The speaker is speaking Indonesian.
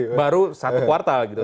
itu baru satu kuartal gitu